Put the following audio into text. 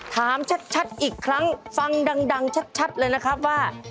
ถามชัดอีกครั้งฟังดังชัดเลยนะครับว่า